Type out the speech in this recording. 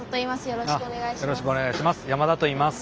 よろしくお願いします。